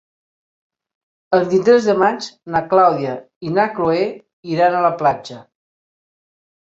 El vint-i-tres de maig na Clàudia i na Cloè iran a la platja.